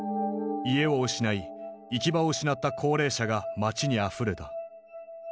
家を失い行き場を失った高齢者が街にあふれた。